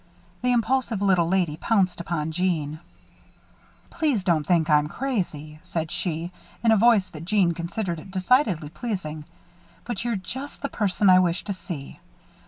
The impulsive little lady pounced upon Jeanne. "Please don't think that I'm crazy," said she, in a voice that Jeanne considered decidedly pleasing, "but you're just the person I wish to see.